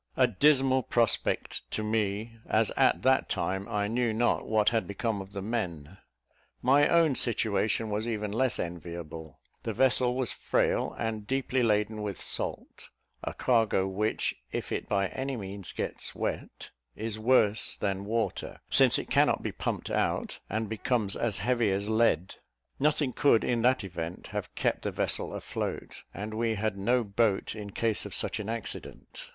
A dismal prospect to me, as at that time I knew not what had become of the men. My own situation was even less enviable; the vessel was frail, and deeply laden with salt: a cargo, which, if it by any means gets wet, is worse than water, since it cannot be pumped out, and becomes as heavy as lead; nothing could, in that event, have kept the vessel afloat, and we had no boat in case of such an accident.